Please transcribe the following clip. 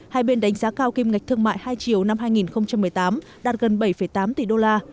hai bên đánh giá cao kim ngạch thương mại hai triệu năm hai nghìn một mươi tám đạt gần bảy tám tỷ đô la